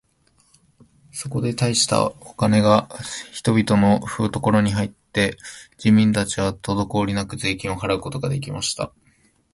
そこで大したお金が人々のふところに入って、人民たちはとどこおりなく税金を払うことが出来ました。